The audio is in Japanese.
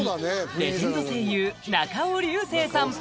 レジェンド声優中尾隆聖さん